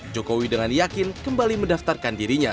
jokowi dengan yakin kembali mendaftarkan dirinya